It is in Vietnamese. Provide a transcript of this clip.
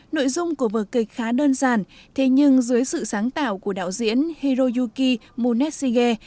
nội dung của vỡ kịch khá đơn giản thế nhưng dưới sự sáng tạo của đạo diễn hiroyuki munetsuge